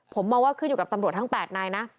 ผมมองว่าขึ้นอยู่กับตำรวจทั้ง๘นายนะ